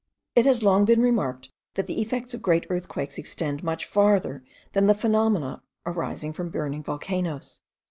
It has long been remarked that the effects of great earthquakes extend much farther than the phenomena arising from burning volcanoes.